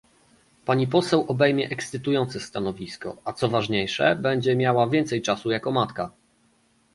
Pani poseł obejmie ekscytujące stanowisko, a co ważniejsze, będzie miała więcej czasu jako matka